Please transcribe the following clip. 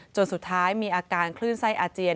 จนสุดท้ายมีอาการคลื่นไส้อาเจียน